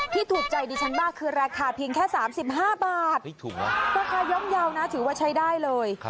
พี่ถูกใจดิฉันบ้างคือราคาเพียงแค่๓๕บาทถือว่าใช้ได้เลย